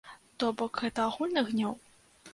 То бок гэта агульны гнеў?